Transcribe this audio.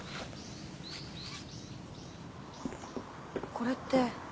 これって。